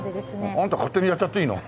あなた勝手にやっちゃっていいの？